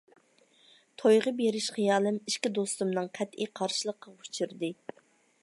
تويغا بېرىش خىيالىم ئىككى دوستۇمنىڭ قەتئىي قارشىلىقىغا ئۇچرىدى.